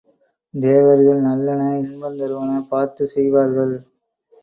தேவர்கள் நல்லன, இன்பந்தருவன பார்த்துச் செய்வார்கள்.